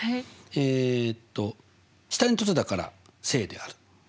えっと下に凸だから正である。